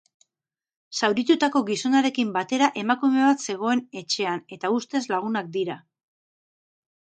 Zauritutako gizonarekin batera emakume bat zegoen etxean eta ustez lagunak dira.